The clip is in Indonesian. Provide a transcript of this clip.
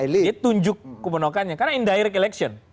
dia tunjuk kebenakannya karena indirect election